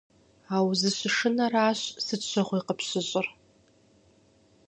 А узыщышынэращ сыт щыгъуи къыпщыщӀыр.